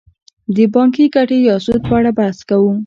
د بانکي ګټې یا سود په اړه بحث کوو